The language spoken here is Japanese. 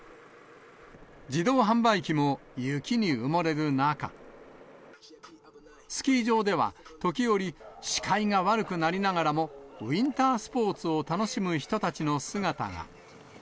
自動販売機も雪に埋もれる中、スキー場では時折、視界が悪くなりながらも、ウインタースポーツを楽しむ人たちの姿が。